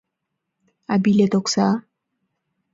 — А билет окса?